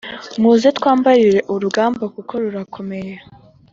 Muze twambarire urugamba kuko rurakomeye